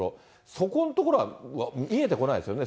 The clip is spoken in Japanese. そこのところが見えてこないですよね。